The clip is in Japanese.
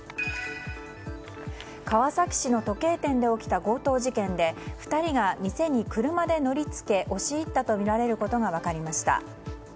川崎市の時計店で起きた強盗事件で２人が店に車で乗り付け押し入ったとみられることが分かりました。